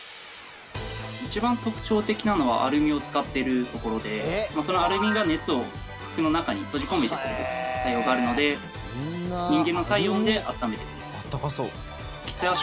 一番特徴的なのはアルミを使っているところでそのアルミが、熱を服の中に閉じ込めてくれる作用があるので人間の体温で温めてくれる。